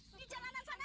di jalanan sana